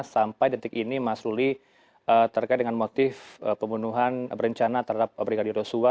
sampai detik ini mas luli terkait dengan motif pembunuhan berencana terhadap brigadir commandantadi roswa